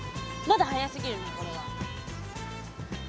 まだ早すぎるねこれは。